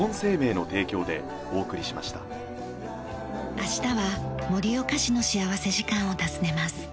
明日は盛岡市の幸福時間を訪ねます。